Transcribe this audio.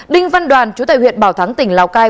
đinh văn đoàn chú tại huyện bảo thắng tỉnh lào cai